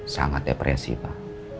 sangat depresi pak